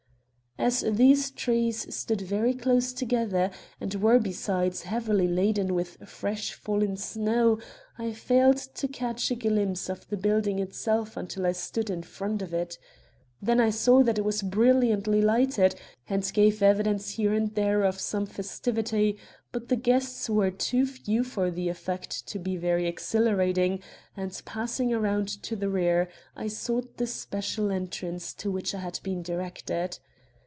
As these trees stood very close together and were, besides, heavily laden with fresh fallen snow, I failed to catch a glimpse of the building itself until I stood in front of it. Then I saw that it was brilliantly lighted and gave evidence here and there of some festivity; but the guests were too few for the effect to be very exhilarating and, passing around to the rear, I sought the special entrance to which I had been directed.